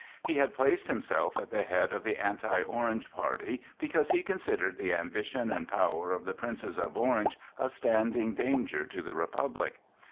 He had placed himself at the head of the anti Orange party because he considered the ambition and power of the princes of Orange a standing danger to the Republic.